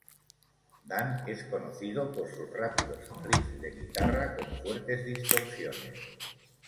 Dan es conocido por sus rápidos riffs de guitarra con fuertes distorsiones.